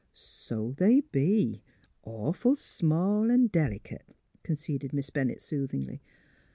*' So they be — awful small an' delicate," con ceded Miss Bennett, soothingly.